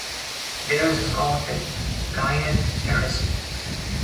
Theirs is called the Gaian heresy.